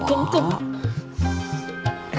kamu baik sekali jadi bapak